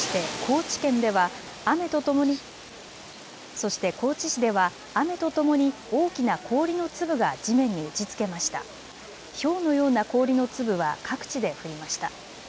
そして高知市では雨とともに大きな氷の粒が地面に打ちつけましたひょうのような氷の粒は各地で降りました。